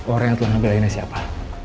orang yang telah mengambil raina siapa